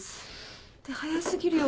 って早過ぎるよ。